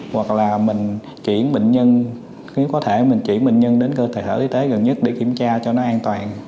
hoặc là mình chuyển bệnh nhân nếu có thể mình chuyển bệnh nhân đến cơ sở y tế gần nhất để kiểm tra cho nó an toàn